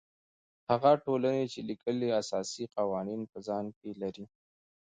هغه ټولنې چې لیکلي اساسي قوانین په ځان کې لري.